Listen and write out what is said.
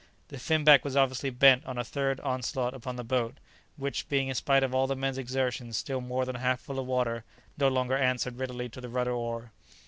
The finback was obviously bent on a third onslaught upon the boat, which, being in spite of all the men's exertions still more than half full of water, no longer answered readily to the rudder oar.